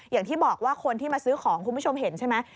อย่างที่บอกว่าคนที่มาซื้อของคุณผู้ชมเห็นใช่ไหม